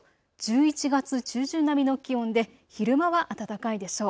１１月中旬並みの気温で昼間は暖かいでしょう。